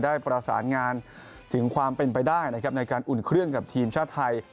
ได้ประสานงานถึงความเป็นไปได้นะครับในการอุ่นเครื่องกับทีมชาติไทย